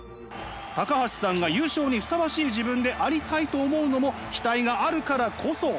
橋さんが優勝にふさわしい自分でありたいと思うのも期待があるからこそ。